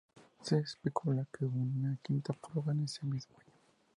Se especula que hubo una quinta prueba en ese mismo año.